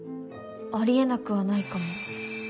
ありえなくはないかも。